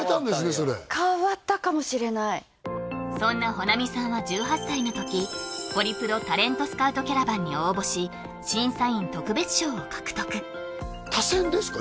それ変わったかもしれないそんな保奈美さんは１８歳の時「ホリプロタレントスカウトキャラバン」に応募し審査員特別賞を獲得他薦ですか？